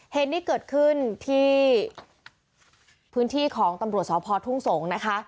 เหตุนี้เกิดขึ้นที่พื้นที่ของตำรวจสพทุ่งสงศ์นะคะ